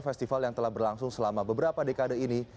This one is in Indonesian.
festival yang telah berlangsung selama beberapa dekade ini